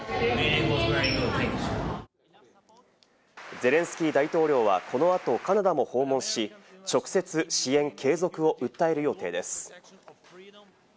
ゼレンスキー大統領はこの後、カナダも訪問し、直接、支援継続を訴える予定です。